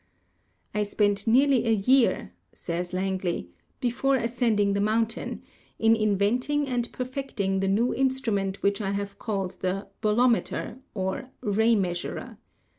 "I spent nearly a year," says Langley, "before as cending the mountain in inventing and perfecting the new instrument which I have called the 'bolometer/ or 'ray measurer.'